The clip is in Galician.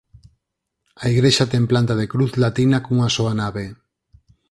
A igrexa ten planta de cruz latina cunha soa nave.